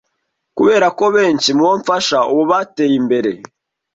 kubera ko benshi mu bo mfasha ubu bateye imbere